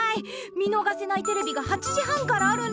見のがせないテレビが８時半からあるんだ。